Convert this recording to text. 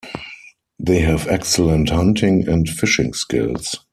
They have excellent hunting and fishing skills.